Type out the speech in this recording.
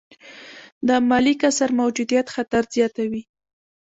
د مالي کسر موجودیت خطر زیاتوي.